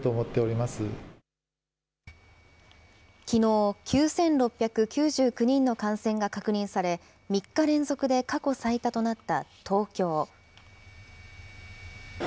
きのう、９６９９人の感染が確認され、３日連続で過去最多となった東京。